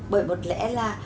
bởi một lẽ là